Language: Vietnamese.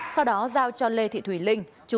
sau đó giao cho lê thị thùy linh